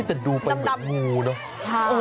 แต่ดูมันเหมือนงูเนอะ